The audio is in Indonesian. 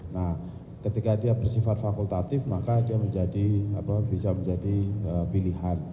nah ketika dia bersifat fakultatif maka dia bisa menjadi pilihan